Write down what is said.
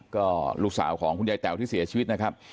ก็ลูกสาวของคุณยายแต๋วที่เสียชีวิตนะครับ